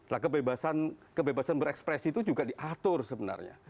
nah kebebasan berekspresi itu juga diatur sebenarnya